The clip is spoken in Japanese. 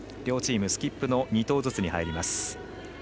両チームスキップの２投ずつに入ります。